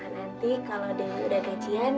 nanti kalau udah gajian